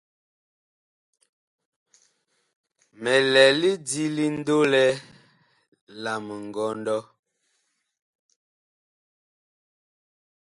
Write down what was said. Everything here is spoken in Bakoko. Mi lɛ lidi ndolɛ la mingɔndɔ.